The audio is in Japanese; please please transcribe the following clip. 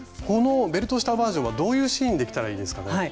このベルトしたバージョンはどういうシーンで着たらいいですかね？